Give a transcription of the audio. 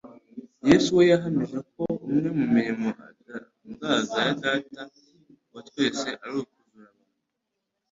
Yesu we yahamije ko umwe mu mirimo itangaza ya Data wa twese ari ukuzura abantu